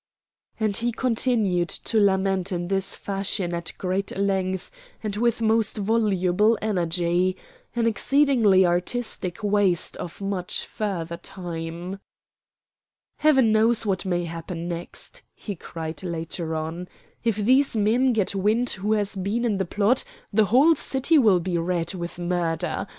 And he continued to lament in this fashion at great length and with most voluble energy an exceedingly artistic waste of much further time. "Heaven knows what may happen next," he cried later on. "If these men get wind who has been in the plot, the whole city will be red with murder.